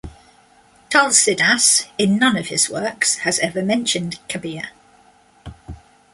Tulsidas, in none of his works, has ever mentioned Kabir.